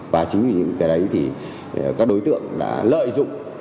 và chính vì những cái đấy thì các đối tượng đã lợi dụng